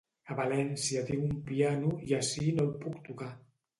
A València tinc un piano i ací no el puc tocar.